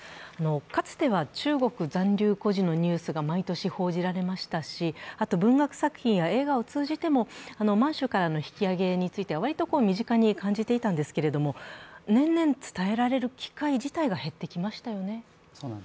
かつては中国残留孤児のニュースが毎年報じられましたし、文学作品や映画を通じても満州からの引き揚げについては割と身近に感じていたんですけれども、年々、伝えられる機会自体が減ってきましたよね。